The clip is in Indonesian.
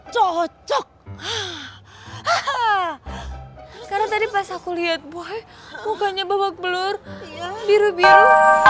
cocok karena tadi pas aku liat boy mukanya babak belur biru biru